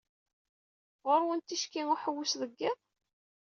Ɣur-wen tikci n uḥewwes deg iḍ?